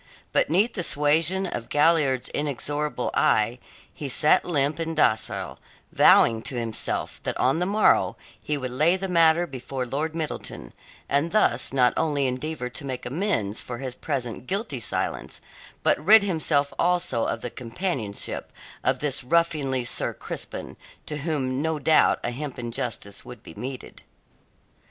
But 'neath the suasion of Galliard's inexorable eye he sat limp and docile, vowing to himself that on the morrow he would lay the matter before Lord Middleton, and thus not only endeavour to make amends for his present guilty silence, but rid himself also of the companionship of this ruffianly Sir Crispin, to whom no doubt a hempen justice would be meted.